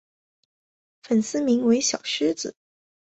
粉丝名为小狮子。